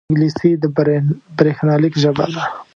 انګلیسي د بریښنالیک ژبه ده